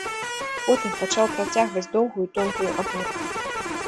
Потым пачаў працягваць доўгую тонкую аборку.